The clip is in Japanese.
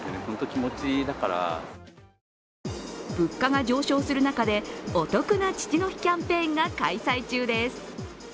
物価が上昇する中でお得な父の日キャンペーンが開催中です。